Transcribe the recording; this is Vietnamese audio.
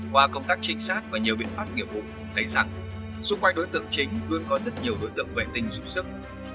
qua công tác trinh sát và nhiều biện pháp nghiệp vụ thấy rằng xung quanh đối tượng chính luôn có rất nhiều đối tượng vệ tinh giúp sức